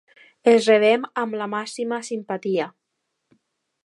Els rebem amb la màxima simpatia.